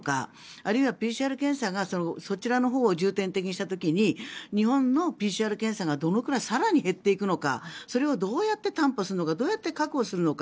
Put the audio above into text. あるいはＰＣＲ検査がそちらのほうを重点的にした時に日本のＰＣＲ検査が更に減っていくのかそれをどうやって担保するのかどうやって確保するのか。